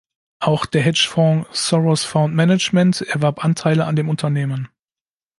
Auch der Hedgefonds Soros Fund Management erwarb Anteile an dem Unternehmen.